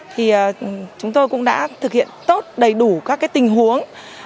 thì chúng tôi cũng đã thực hiện tốt đầy đủ các tình huống